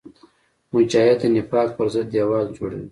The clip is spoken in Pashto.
مجاهد د نفاق پر ضد دیوال جوړوي.